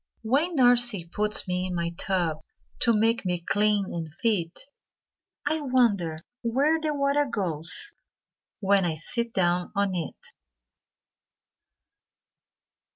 When Nursie puts me in my tub To make me clean and fit, I wonder where the water goes When I sit down on it.